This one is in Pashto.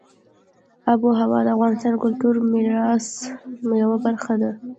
آب وهوا د افغانستان د کلتوري میراث یوه برخه ده.